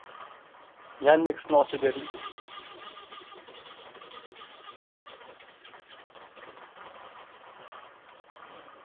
• Oysiz kechada yulduzlar yorqin nur sochadi.